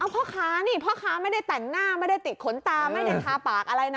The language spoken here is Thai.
พ่อค้านี่พ่อค้าไม่ได้แต่งหน้าไม่ได้ติดขนตาไม่ได้ทาปากอะไรนะ